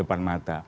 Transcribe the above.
di depan mata